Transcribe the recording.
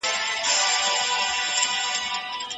د سر غوړل د وچ سر لپاره ګټور وي.